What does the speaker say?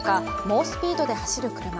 猛スピードで走る車。